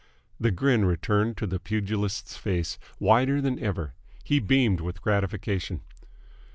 The grin returned to the pugilist's face, wider than ever. He beamed with gratification.